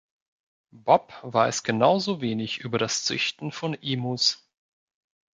Bob weiß genauso wenig über das Züchten von „Emus“.